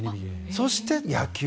そして、野球。